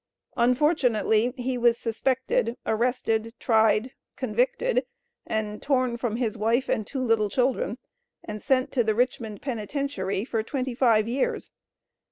Unfortunately he was suspected, arrested, tried, convicted, and torn from his wife and two little children, and sent to the Richmond Penitentiary for twenty five years.